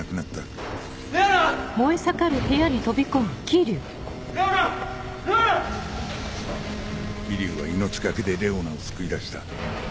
霧生は命懸けでレオナを救い出した。